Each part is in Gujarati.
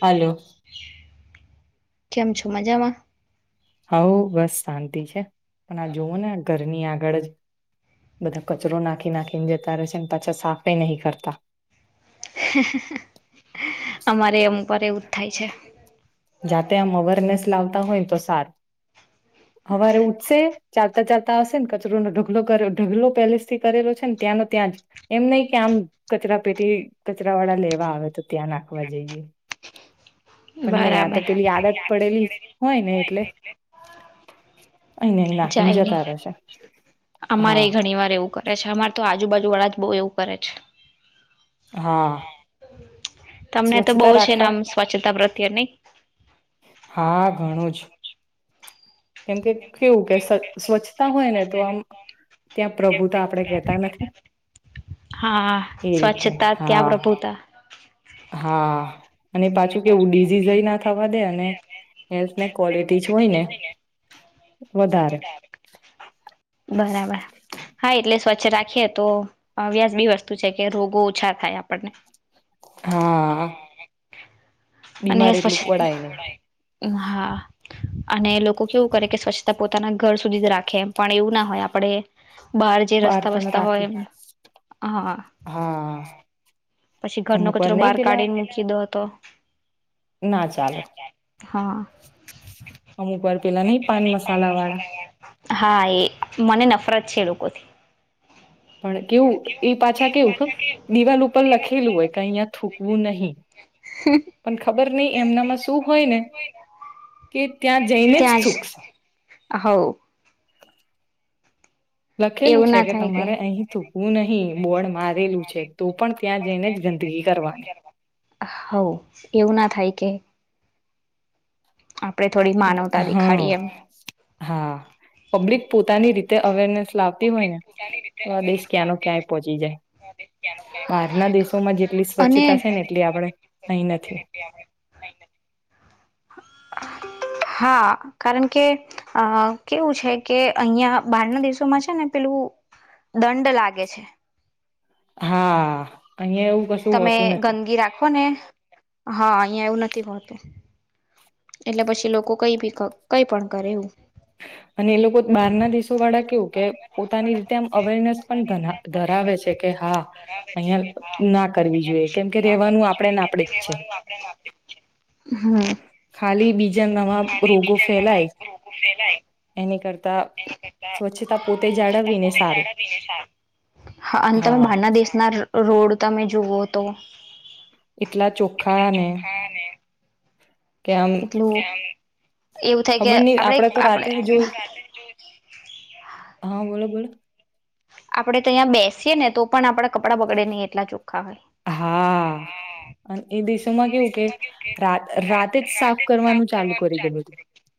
હાલો કેમ છો મજામાં? હા બસ શાંતિ છે પણ આ જોવો ને ઘરની આગળ જ બધા કચરો નાખી નાખી ને જતા રહેશે ને પાછા સાફે નહીં કરતા. અમારે અમુક વાર એવું જ થાય છે. જાતે આમ અવેરનેસ લાવતા હોય તો સારું હવારે ઉઠસે ચાલતા ચાલતા આવશે ને કચરોનો ઢગલો કર ઢગલો પેલે જ થી કરેલો છે ને ત્યાંનો ત્યાં એમ નહિ કે આમ કચરા પેટી કચરા વાળા લેવા આવે તો ત્યાં નાખવા જઈએ. [inaudible] નહી આ બરાબર તો પેલી આદત પડેલી હોય ને એટલે અહીને અહી નાખીને જાય નહી જતા રહેશે અમારે હા વાર એવું [inaudible] કરે છે અમારે તો આજુબાજુ વાળા જ બહુ એવું કરે છે. હા. તમને તો બહુ સ્વચ્છતા છેને રાખતા આમ સ્વચ્છતા પ્રત્યેની. હા ઘણું જ. કેમ કે કેવું કે સ્વચ્છતા હોય ને તો આમ ત્યાં પ્રભુ તો આપડે કહેતા નથી. હા એ રીતનું સ્વચ્છતા ત્યા હા પ્રભુતા. હા. અને પાછું કેવું ડીઝિઝય ના થવા દે અને હેલ્થ ને ક્વોલિટી જ હોય ને વધારે બરાબર. હા એટલે સ્વચ્છ રાખીએ તો વ્યાસ બી વસ્તુ છે કે રોગો ઓછા થાય આપણને. હા. અને એ બીમાર એટલું પડાય નહી [unintelligible] હા. અને લોકો કેવું કરે કે સ્વચ્છતા પોતાના ઘર સુધી જ રાખે એ પણ એવું ના હોય આપડે બહાર જે રસ્તા પણ બસતા હોય રાખી એમ હા. હા પછી ઘરનો અમુક વાર કચરો નહી બહાર પેલા કાઢીને મૂકી દો તો ના ચાલે હા. અમુક વાર પેલા નહીં પાન મસાલા વાળા હા એ મને નફરત છે એ લોકોથી. પણ કેવું એ પાછા કેવું ખબર દિવાલ ઉપર લખેલું હોય કે અહીયા થૂકવું નહી. હમ્મ. પણ ખબર નહી એમનામાં શું હોય ને કે ત્યાં જઈને જ થુંકશે. આહાવો લખેલું એવું છે ના કે થાય તમારે અહી થૂકવું નહી બોડ મારેલું છે તો પણ ત્યાં જઈને જ ગંદગી કરવાની. હઉ એવું ના થાય કે આપણે થોડી માનવતા હા દેખાડીએ એમ હા પબ્લિક પોતાની રીત તે અવેરનેસ લાવતી હોય ને તો આ દેશ ક્યાં ન ક્યાંય પહોંચી જાય. બહારના દેશોમાં જેટલી અને સ્વચ્છતા છે ને એટલી આપડે અહીં નથી. [inaudible] હા કારણ કે અ કેવું છે કે અહિયાં બહારના દેશોમાં જે [unintelligible] પેલું દંડ લાગે છે. હા અહીંયા એવું કે તમે ગંદગી રાખો ને હા અહિયાં એવું નથી મળતું. એટલે પછી લોકો કઈ ભી કા કઈ પણ કરે એવું. અને એ લોકો બહાર ના દેશો વાળા કેવું કે પોતાની રીતે આમ અવેરનેસ પણ ધના ધરાવે છે કે હા અહિયાં ના કરવી જોઈએ કેમ કે રેવાનું આપણેેને આપડે જ છે. [inaudible] હા. ખાલી બીજા નવા રોગો ફેલાય [unintelligible] એની કરતા સ્વચ્છતા પોતે જાળવવીને સારું. હા અંતર બહારના દેશના રોડ તમે જુવો તો એટલા ચોખ્ખા ને કે આમ એટલું એવું થાય કે ખબર નહી આપણે આપડે તો આપણે રાતે જોય હા બોલો બોલો. આપણેે તો અહીંયા બેસીએ ને તો પણ આપણા કપડાં બગડે નહીં એટલા ચોખ્ખા હોય. હા અને એ બી [unintelligible] માં કેવું કે રાત રાતેજ સાફ કરવાનું ચાલુ કરી દે બધું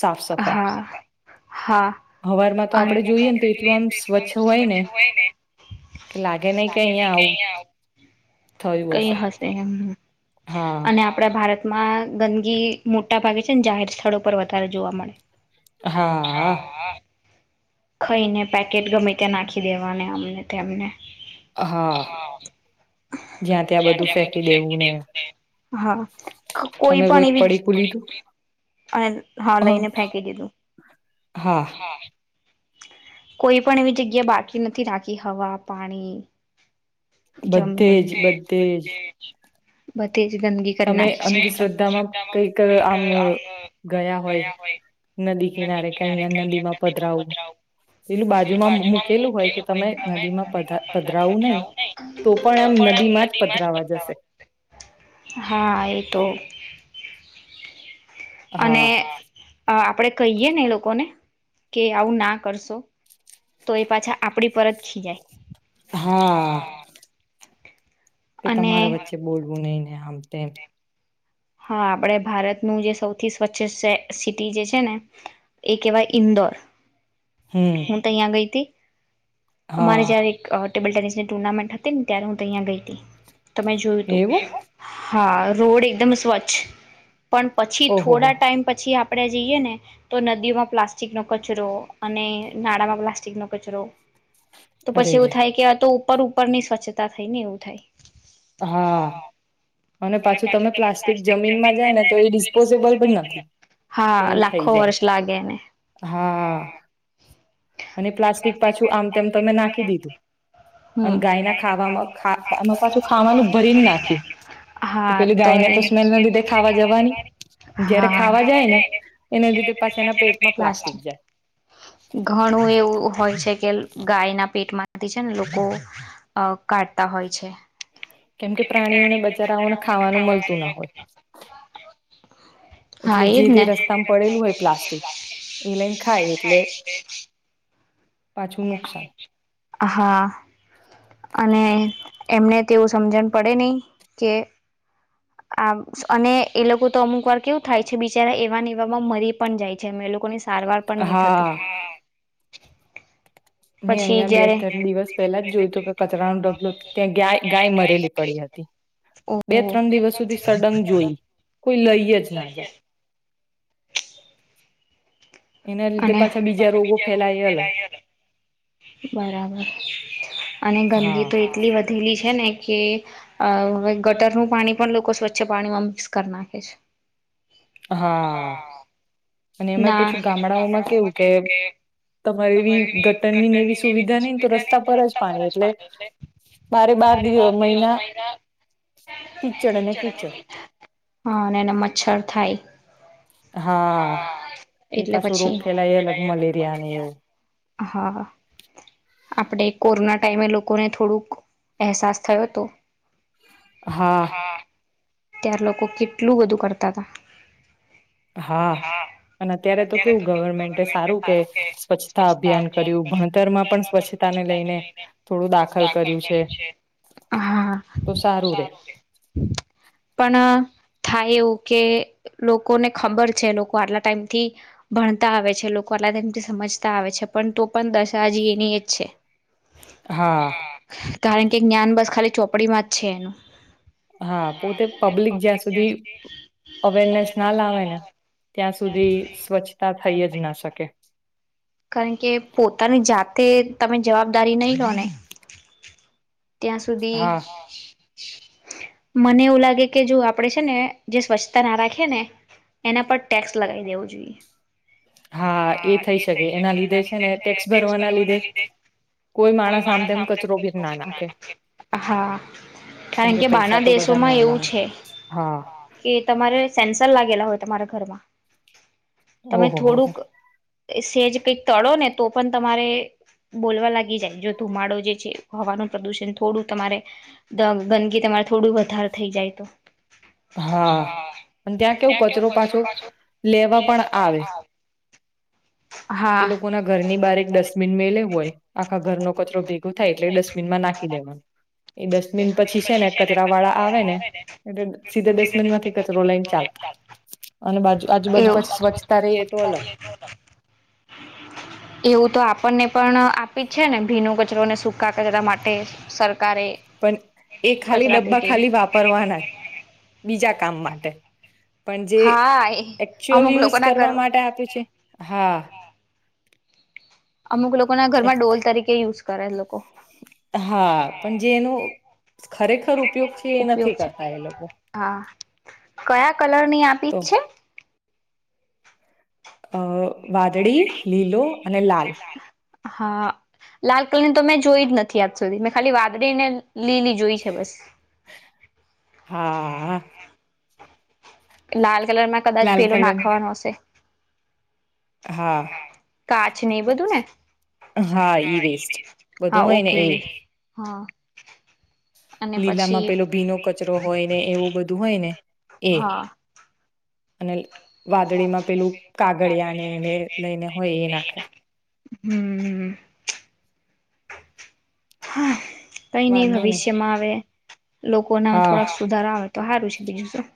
સાફ સફાઈ. હા હા હવારમાં તો અન આપડે જોઈએ ને તો એટલું આમ સ્વચ્છ હોય ને કે લાગે ની કે અહિયાં આવું થયું કઈ હશે હસે એમ હા આપડા ભારતમાં ગંદગી મોટા ભાગે છે ને જાહેર સ્થળો પર વધારે જોવા મળે હા ખઈ ને પેકેટ ગમે ત્યાં નાખી દેવાને આમને તેમને હા જ્યાં ત્યાં બધું ફેંકી દેવું ને હા કોઈ તમે પણ કોઈક પડીકું લીધું એવી અને હા લઈને હ ફેંકી દીધું. હા. કોઈ પણ એવી જગ્યા બાકી નથી નાખી હવા પાણી બધે જમીન જ બધે જ બધેજ ગંદકી કરી તમે નાખી અંધશ્રદ્ધામાં કઈક છે આમ ગયા હોય. નદી કિનારે [unintelligible] નદી માં પધરા પદરાઓ પેલું બાજુમાં મુકેલું હોય કે તમે નદીમાં પધરાવું નહી. તો પણ આમ નદી માં જ પધરાવા જશે. હા એ તો અને હા આપડે કહીએ ને એ લોકોને કે આવું ના કરશો તો એ પાછા આપડી પર જ ખીજાય. હા. કે અને તમારે વચ્ચે બોલવું નહી ને આમ તેમ. હા આપડે ભારતનું જે સૌથી સ્વચ્છ સિટી જે છે ને એ કેવાય ઇન્દોર. હમ. તયાં ગઈ તી હા અમારે જયારે ટેબલ ટેનિસની ટુર્નામેન્ટ હતી ને ત્યારે હું તહીંયા ગઈ હતી તમે જોયું તું. એવું હા રોડ એકદમ સ્વચ્છ પણ પછી ઓહોહો થોડા ટાઈમ પછી આપડે જઈએ ને તો નદીઓમાં પ્લાસ્ટિક નો કચરો અને નાળામાં પ્લાસ્ટિક નો કચરો [inaudible] તો પછી એવું રે થાય કે તો ઉપર ઉપર ની સ્વચ્છતા થાય ને એવું થાય. હા અને પાછું તમે પ્લાસ્ટ જમીનમાં જાય ને તો એ ડિસ્પોઝેબલ પણ નથી. એ હા થઇ લાખો જાય વર્ષ લાગે એને હા. અને પ્લાસ્ટિક પાછું આમ તેમ તમે નાખી દીધું. અને હમ. ગાય ના ખાવામાં પાછું ખાવાનું ભરીને નાખ્યું હા પેલી ગાયને તો એ નેને લીધે ખાવા જવાની જયારે હા. ખાવા જાય ને એના લીધે પાછા એના પેટમાં પ્લાસ્ટિક જાય. ઘણું એવું હોય છે કે ગાયના પેટમાંથી છે ને લોકો અ કાઢતા હોય છે. કેમ કે પ્રાણીઓને બજારાઓને ખાવાનું મળતું ના હોય. હા એટલે જે એજ તે ને રસ્તામાં પડેલું હોય પ્લાસ્ટિક એ લઈને ખાય એટલે પાંછું નુકસાન. હા. અને એમને તેવું સમજણ પડે નઈ કે [inaudible] આ અને એ લોકો તો અમુક વાર કેવું થાય છે બિચારા એવાને એવામાં મરી પણ જાય છે અને એ લોકોની સારવાર પણ ની થતી હા મેં પછી અહિયાયા બે જયારે ત્રણ દિવસ પહેલા જ જોયું હતું કે કચરાનો ડગલો ત્યાં ગ ગાય મરેલી પડી હતી. બે ઓહ ત્રણ દિવસ સુધી સડંગ જોઈ કોઈ લઈ જ ના જાય. અને પાછા બીજા રોગો ફેલાય એ અલગ. બરાબર અને ગંદગી હા તો એટલી વધ વધેલી છે ને કે હવે ગટરનું પાણી પણ લોકો સ્વચ્છ પાણીમાં મિક્સ કરી નાખે છે. હા અને એમાં ના પછું ગામડાઓમાં કેવું કે તમારે એવી ગટર ની ને એવી સુવિધા નહીને તો રસ્તા પર જ પાણી એટલે બારે બાર મહિના કિચડ અને કીચડ. હા અને એના મચ્છર થાય. હા એ એટલે પાછું રોગ પછી ફેલાય અલગ મલેરિયા ને એવું [unintelligible] હા. આપણે કોરોના ટાઈમે લોકોને થોડુંક અહેસાસ થયો હતો. હા તાયાર લોકો કેટલું બધું કરતા હતા. હા અને અત્યારે તો કેવું ગવર્મેન્ટ સારું કે સ્વચ્છ તા અભિયાન કર્યું ભણતરમાં પણ સ્વચ્છતા ને લઈને થોડું દાખલ કર્યું છે. હા તો સારું રે. પણ થાય એવું કે લોકોને ખબર છે લોકો આટલા ટાઈમથી ભણતા આવે છે લોકો આટલા ટાઈમ થી સમજતા આવે છે પણ તો પણ દશાજી એની એજ છે. હા. કારણ કે જ્ઞાન બસ ખાલી ચોપડીમાં જ છે એનું. હા પોતે પબ્લિક જ્યાં સુધી અવેરનેસ ના લાવે ને ત્યાં સુધી સ્વચ્છતા થઈ જ ના શકે. કારણ કે પોતાની જાતે તમે જવાબદારી નહી લો ને ત્યાં સુધી હા મને એવું લાગે કે જો આપડે છે ને જે સ્વચ્છતા ના રાખીએ ને એના પર ટેક્સ લગાવી દેવો જોઈએ. હા એ એ થઈ શકે એના લીધે છે ને ટેક્સ્ કરવાના લીધે કોઈ માણસ આમ તેમ કચરો [unintelligible] હા. કેમ કારણ કે પૈસા બહારના તો બધાને દેશોમાં વાલા એવું હોય છે. હા કે તમારે સેન્સર લાગેલા હોય તમારા ઘરમાં તમે ઓહો હો હો. થોડુંક સેજ કંઈક તળો ને તો પણ તમારે બોલવા લાગી જાય જો ધુમાડો જે છે હવાનું પ્રદુષણ થોડું તમારે દા ગંદકી તમારે થોડું વધારે થઈ જાય તો. હા અન ત્યાં કેવું કચરો પાછો લેવા પણ આવે. એ હા લોકોના ઘરની બાર એક ડસ્ટબિન મે [unintelligible] હોય આખા ઘરનો કચરો ભેગો થાય એટલે ડસ એમાં નાખી દેવા. એ ડસ્ટબિન પછી છે ને કચરા વાળા આવે ને એટલે સીધા ડસ્ટબિન માંથી કચરો લઈને ચાલ અને બાજુ આજુ બાાજુ એવું પછી સ્વચ્છતા રહી એ તો અલગ. [inaudible] એવું તો આપણને પણ આપી જ છે ને ભીનું કચરોને સૂકા કચરા માટે સર પણ એ ખાલી ડબ્બા પેટી ખાલી વા પરવાના બીજા કામ માટે. પણ જે હા એ એકચુઅલ અમુક યુઝ લોકો ના કરવા ઘરમાં માટે આપ્યું છે હા. અમુક લોકો ના ઘરમાં ડોલ તરીકે યુઝ કરે લોકો. હા પણ જે એનું ખરેખર ઉપયોગ છે એ ઉપયોગ નથી છે કરતા એ લોકો. હા કયા કલરની આપી તો છે. અ વાદળી લીલો અને લાલ. હા લાલ કલર તો મેં જોઈ જ નથી આજ સુધી મેં ખાલી વાદળી ને લીલી જોઈ છે બસ. હા હા. લાલ કલરમાં કદાચ લાલ પેલું કલરની નાખવાનું હશે હા કાચ ને એ બધું ને હા ઈ વેસ્ટ [unintelligible] બધું હા હોય ને ઓકે એ હા અને લીલામાં પછી પેલો ભીનો કચરો હોય ને એવું બધું હોય ને એ હા અનલ વાદળીમાં પેલું કાગળિયા ને એને લઈને હોય એ નાખે હમ્મ. હા કઈ ની વાંધો નહી ભવિષ્યમાં આવે લોકોના થો હા સુધારા આવે તો હારું છે, બીજું શું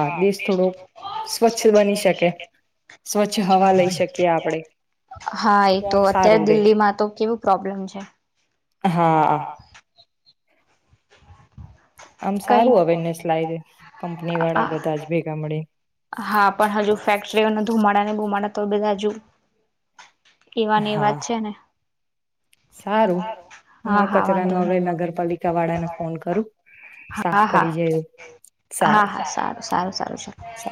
હા ટેસ્ટ થોડો સ્વચ્છ બની શકે સ્વચ્છ હવા લઈ શકીએ આપડે હા એ તો આમ સારું અત્યારે રે દિલ્હીમાં તો કેવું પ્રોબ્લેમ છે. હા. આમ કઈ સારું અવેરનેસ લાયદે કંપની વાળા બધા જ ભેગા મળે હા પણ હજુ ફેક્ટરીઓને ધુમાડાને બુમાડા તો બધા જુ એવાને એ હા વાત છે, ને સારું. હું હા આ હા વાંધો કચરાનો હવે નહી નગરપાલિકા વાળાને ફોન કરું સાફ હા હા કરી જાય હા સારું હા સારું સારું સારું છ [inaudible] સારું